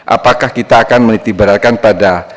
apakah kita akan menitiberalkan pada